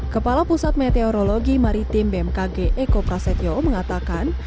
kepala pusat meteorologi maritim bmkg eko prasetyo mengatakan